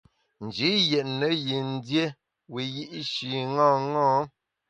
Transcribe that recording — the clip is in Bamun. Nji yètne yin dié wiyi’shi ṅaṅâ.